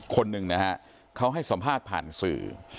คนหนึ่งนะฮะเขาให้สัมภาษณ์ผ่านสื่อ